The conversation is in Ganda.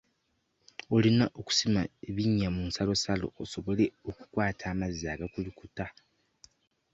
Olina okusima binnya mu nsalosalo osobole okukwata amazzi agakulukuta.